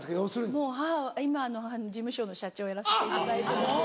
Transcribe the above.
もう母今事務所の社長をやらせていただいてるんですけど。